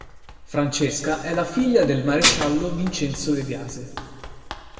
Francesca è la figlia del maresciallo Vincenzo De Biase.